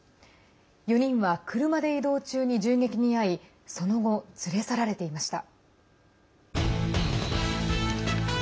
４人は車で移動中に銃撃に遭いその後、連れ去られていました。